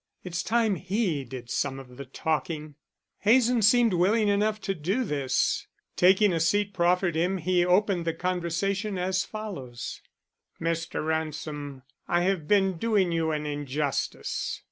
"It's time he did some of the talking." Hazen seemed willing enough to do this. Taking the seat proffered him, he opened the conversation as follows: "Mr. Ransom, I have been doing you an injustice.